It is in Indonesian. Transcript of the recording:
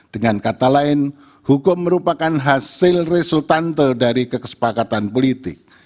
dengan kata lain hukum merupakan hasil resultante dari kesepakatan politik